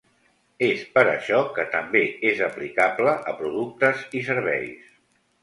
És per això, que també és aplicable a productes i serveis.